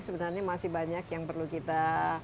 sebenarnya masih banyak yang perlu kita